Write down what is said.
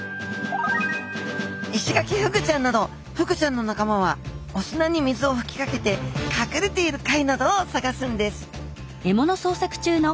イシガキフグちゃんなどフグちゃんの仲間はお砂に水をふきかけてかくれている貝などを探すんです